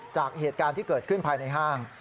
จากเหตุการณ์ที่เกิดขึ้นภายในห้าง